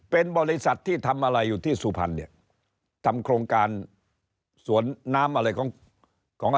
เป็นบริษัทที่ทำอะไรอยู่ที่สุพรรณเนี่ยทำโครงการสวนน้ำอะไรของของอะไร